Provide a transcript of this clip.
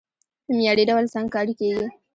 په معياري ډول سنګکاري کېږي،